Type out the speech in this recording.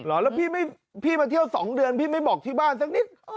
เหรอแล้วพี่มาเที่ยว๒เดือนพี่ไม่บอกที่บ้านสักนิด